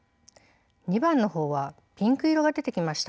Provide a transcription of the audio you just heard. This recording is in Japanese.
２番の方はピンク色が出てきました。